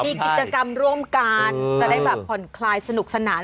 มีกิจกรรมร่วมกันจะได้แบบผ่อนคลายสนุกสนาน